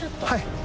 はい。